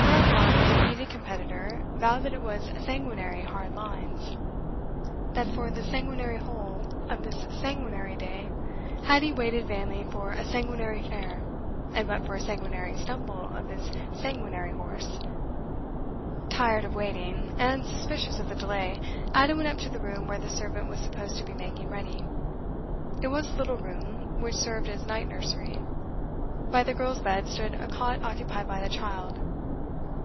Whereupon the defeated competitor vowed that it was sanguinary hard lines; that for the sanguinary whole of this sanguinary day had he waited vainly for a sanguinary fare, and but for a sanguinary stumble of his sanguinary horse Tired of waiting, and suspicious of the delay, Ada went up to the room where the servant was supposed to be making ready. It was a little room, which served as night nursery; by the girl's bed stood a cot occupied by the child.